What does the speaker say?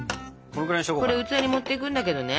これ器に盛っていくんだけどね。